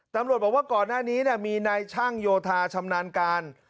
ตำรวจบอกว่าก่อนหน้านี้มีนายช่างโยธาชำนาญการ